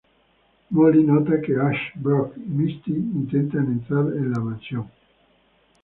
Molly nota que Ash, Brock y Misty intentan entrar a la mansión.